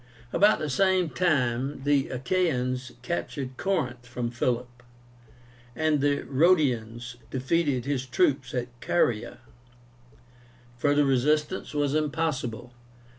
About the same time the Achaeans captured CORINTH from Philip, and the Rhodians defeated his troops in Caria. Further resistance was impossible.